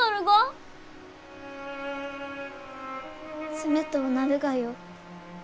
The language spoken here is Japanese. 冷とうなるがよ。